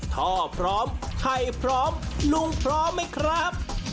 ท่อพร้อมไข่พร้อมลุงพร้อมไหมครับ